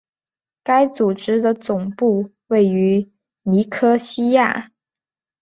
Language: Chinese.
该组织的总部位于尼科西亚。